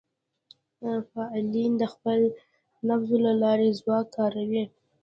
فعالین د خپل نفوذ له لارې ځواک کاروي